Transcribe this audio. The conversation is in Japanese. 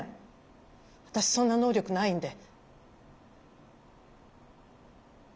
私そんな能力ないんで。